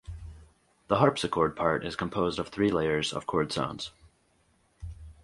The harpsichord part is composed of three layers of chord sounds.